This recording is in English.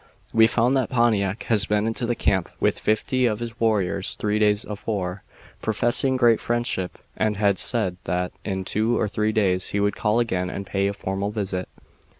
"We found that Pontiac had been into the camp with fifty of his warriors three days afore, professing great friendship, and had said that in two or three days he would call again and pay a formal visit.